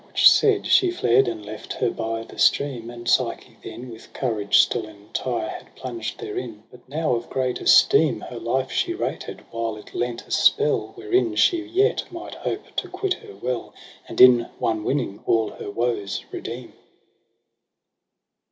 Which said, she fled and left her by the stream: And Psyche then, with courage still entire Had plunged therein j but now of great esteem Her life she rated, while it lent a spell Wherein she yet might hope to quit her well. And in one winning aE her woes redeem.